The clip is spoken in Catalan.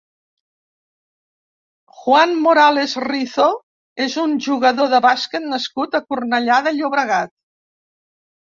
Juan Morales Rizo és un jugador de bàsquet nascut a Cornellà de Llobregat.